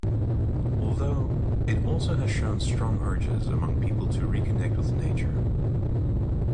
Although, it also has shown strong urges among people to reconnect with nature.